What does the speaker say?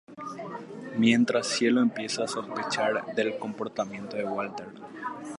Mientras, 'Cielo' empieza a sospechar del comportamiento de Walter.